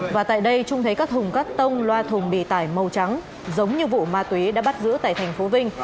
và tại đây trung thấy các thùng cắt tông loa thùng bì tải màu trắng giống như vụ ma túy đã bắt giữ tại thành phố vinh